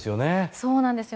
そうなんです。